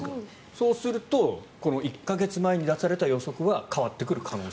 そうすると１か月前に出された予測は変わってくると。